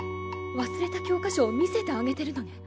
忘れた教科書を見せてあげてるのね。